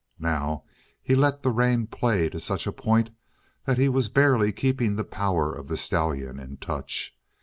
Now he let the rein play to such a point that he was barely keeping the power of the stallion in touch.